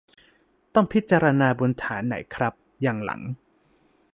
ต้องพิจารณาบนฐานไหนครับ อย่างหลัง ?